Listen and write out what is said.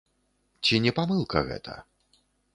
Ці не памылка гэта?